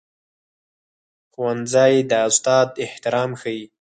ښوونځی د استاد احترام ښيي